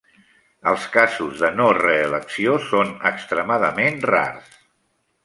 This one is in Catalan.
Els casos de no reelecció són extremadament rars.